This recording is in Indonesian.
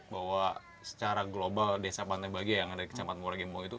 bahwa secara global desa bantai bagia yang ada di kecamatan muragimbo itu